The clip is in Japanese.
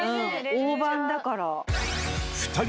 大判だから。